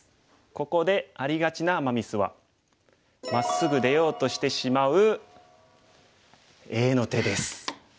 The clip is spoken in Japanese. ここでありがちなアマ・ミスはまっすぐ出ようとしてしまうＡの手です。